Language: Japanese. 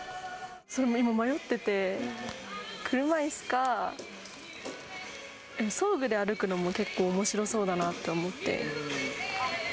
今、迷ってて、車いすか、でも装具で歩くのも結構おもしろそうだなと思って。